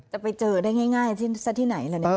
จะไปเจอได้ง่ายซะที่ไหน